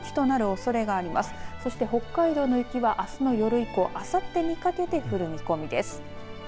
そして、北海道の雪はあすの夜以降あさってにかけて降る見込みです。